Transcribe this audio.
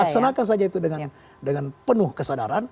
laksanakan saja itu dengan penuh kesadaran